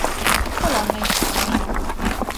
Colonna infame